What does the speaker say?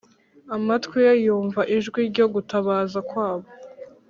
Amatwi ye yumva ijwi ryo gutabaza kwabo